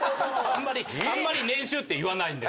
あんまり年収って言わないんですよ。